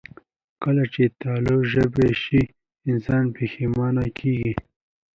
کله چې تالو ژبې شي، انسان پښېمانه کېږي